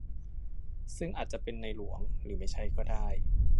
ซึ่งอาจจะเป็นในหลวง หรือไม่ใช่ก็ได้